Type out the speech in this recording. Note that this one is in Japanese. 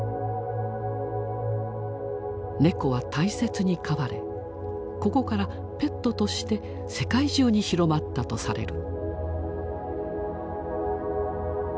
猫は大切に飼われここからペットとして世界中に広まったとされる。